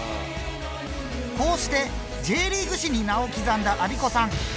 こうしてＪリーグ史に名を刻んだアビコさん。